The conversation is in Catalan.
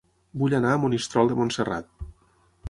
Vull anar a Monistrol de Montserrat